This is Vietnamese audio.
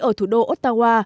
ở thủ đô ottawa